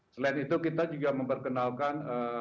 selain itu kita juga memperkenalkan